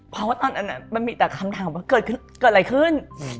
เพราะว่าตอนนั้นมันมีแต่คำถามว่าเกิดอะไรขึ้น